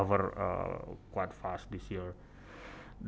bertambah cepat tahun ini